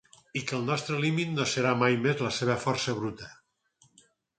I que el nostre límit no serà mai més la seva força bruta.